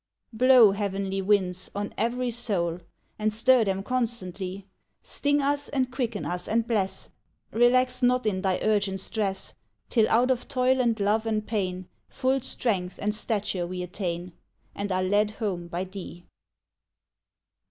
Blow, heavenly winds, on every soul ! And stir them constantly ; Sting us and quicken us and bless, Relax not in thy urgent stress, Till out of toil and love and pain Full strength and stature we attain, And are led home by thee.